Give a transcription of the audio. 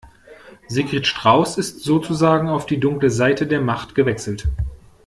Sigrid Strauß ist sozusagen auf die dunkle Seite der Macht gewechselt.